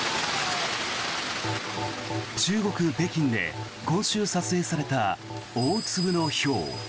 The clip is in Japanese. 中国・北京で今週撮影された大粒のひょう。